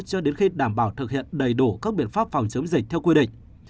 cho đến khi đảm bảo thực hiện đầy đủ các biện pháp phòng chống dịch theo quy định